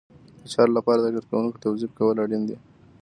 د چارو لپاره د کارکوونکو توظیف کول اړین دي.